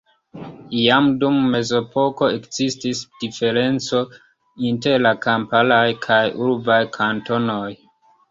Jam dum Mezepoko ekzistis diferenco inter la kamparaj kaj urbaj kantonoj.